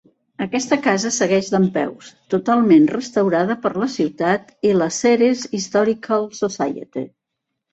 Aquesta casa segueix dempeus, totalment restaurada per la ciutat i la Ceres Historical Society.